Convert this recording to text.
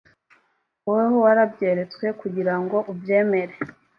woweho warabyeretswe, kugira ngoubyemere